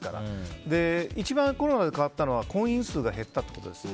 一番コロナで変わったのは婚姻数が減ったことです。